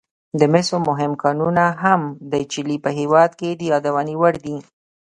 د مسو مهم کانونه هم د چیلي په هېواد کې د یادونې وړ دي.